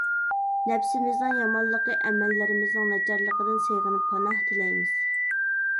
نەپسىمىزنىڭ يامانلىقى، ئەمەللىرىمىزنىڭ ناچارلىقىدىن سېغىنىپ پاناھ تىلەيمىز.